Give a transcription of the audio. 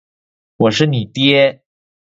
我是你爹！